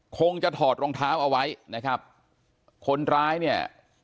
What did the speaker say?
คงจะถอดรองเท้าเอาไว้นะครับคนร้ายเนี่ย